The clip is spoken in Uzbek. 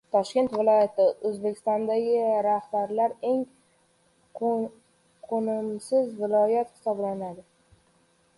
Toshkent viloyati O‘zbekistondagi rahbarlar eng qo‘nimsiz viloyat hisoblanadi.